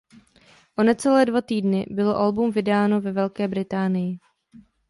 O necelé dva týdny bylo album vydán ve Velké Británii.